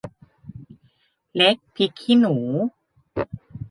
เล็กพริกขี้หนู